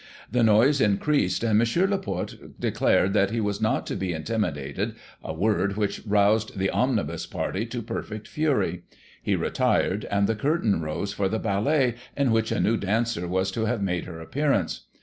The noise increased, and M. Laporte declared that he was not to be " intimidated," a word which roused the " omnibus " party to perfect fury He retired, and the curtain rose for the ballet, in which a new dancer was to have made her appearance.